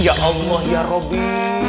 ya allah ya rabbi